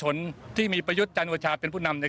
หนึ่งในข้อเรียกร้องที่เราจะเดินหน้าด้วย